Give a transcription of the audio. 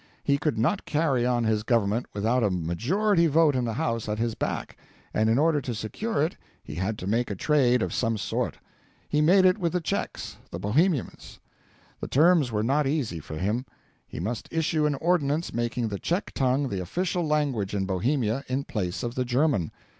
He could not carry on his Government without a majority vote in the House at his back, and in order to secure it he had to make a trade of some sort. He made it with the Czechs the Bohemians. The terms were not easy for him: he must issue an ordinance making the Czech tongue the official language in Bohemia in place of the German.